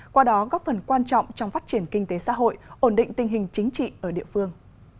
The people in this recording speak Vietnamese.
qua đó góp phần quan trọng trong phát triển kinh tế xã hội ổn định tình hình chính trị ở địa phương